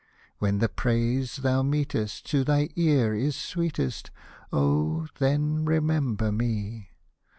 When the praise thou meetest To thine ear is sweetest, Oh ! then remember me.